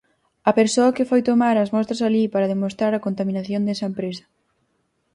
A persoa que foi tomar as mostras alí para demostrar a contaminación desa empresa.